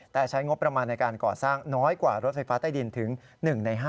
แต่ใช้งบประมาณในการก่อสร้างน้อยกว่ารถไฟฟ้าใต้ดินถึง๑ใน๕